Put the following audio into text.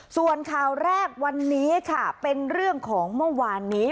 ส่วนข่าวแรกวันนี้ค่ะเป็นเรื่องของเมื่อวานนี้